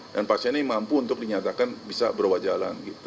dan pasien ini mampu untuk dinyatakan bisa berubah jalan gitu